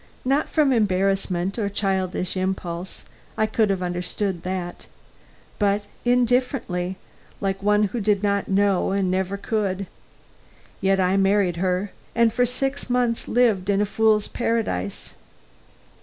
Not from embarrassment or childish impulse; I could have understood that; but indifferently, like one who did not know and never could. Yet I married her, and for six months lived in a fool's paradise.